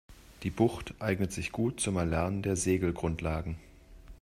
Die Bucht eignet sich gut zum Erlernen der Segelgrundlagen.